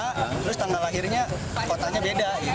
terus tanggal lahirnya kotanya beda